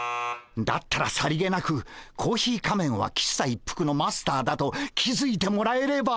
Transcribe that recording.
だったらさりげなくコーヒー仮面は喫茶一服のマスターだと気付いてもらえれば。